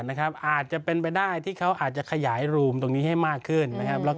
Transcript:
อาจจะเป็นไปได้ที่เขาอาจจะขยายรูมตรงนี้ให้มากขึ้นนะครับ